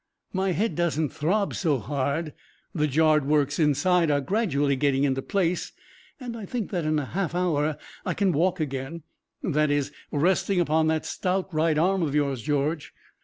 "My head doesn't throb so hard. The jarred works inside are gradually getting into place, and I think that in a half hour I can walk again, that is, resting upon that stout right arm of yours, George."